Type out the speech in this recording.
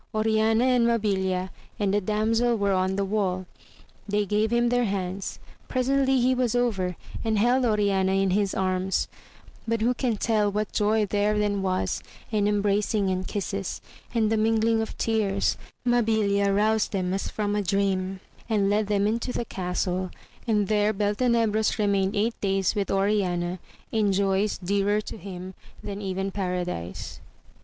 Oriana and Mabilia and the damsel were on the wall : they gave him their hands : presently he was over, and held Oriana in his arms ; but who can tell what joy there then was in embracing and kisses, and the mingling of tears) Mabilia roused th6m as from a dream, and led them into the castle, and there Beltenebros remained eight days with Oriana in joys dearer to him than even Paradise.